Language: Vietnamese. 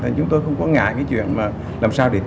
và chúng tôi không có ngại cái chuyện làm sao để tăng